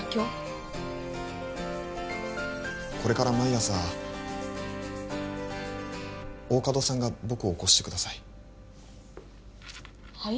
これから毎朝大加戸さんが僕を起こしてくださいはい？